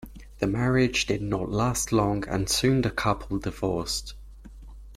The marriage did not last long and soon the couple divorced.